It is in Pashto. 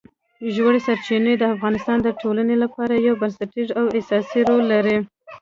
ژورې سرچینې د افغانستان د ټولنې لپاره یو بنسټیز او اساسي رول لري.